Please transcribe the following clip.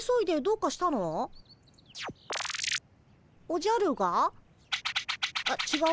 おじゃるが？